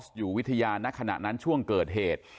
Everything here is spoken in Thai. อยู่วิทยาณขณะนั้นช่วงเกิดเหตุ